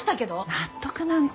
納得なんて。